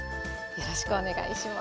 よろしくお願いします。